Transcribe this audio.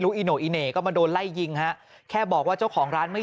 อีโน่อีเหน่ก็มาโดนไล่ยิงฮะแค่บอกว่าเจ้าของร้านไม่